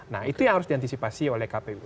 nah itu yang harus diantisipasi oleh kpu